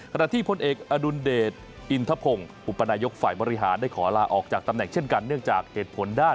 ขณะที่พลเอกอดุลเดชอินทพงศ์อุปนายกฝ่ายบริหารได้ขอลาออกจากตำแหน่งเช่นกันเนื่องจากเหตุผลด้าน